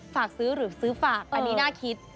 ฝากซื้อหรือซื้อฝากอันนี้น่าคิด